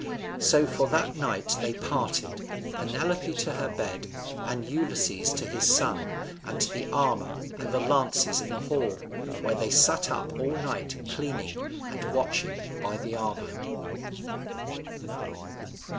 So for that night they parted, Penelope to her bed and Ulysses to his son, and to the armour and the lances in the hall, where they sat up all night cleaning and watching by the armour.